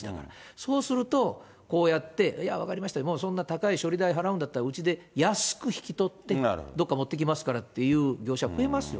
そうすると、こうやって、いや、分かりました、もうそんな高い処理代払うんだったら、うちで安く引き取って、どっか持っていきますからって業者、増えますよ。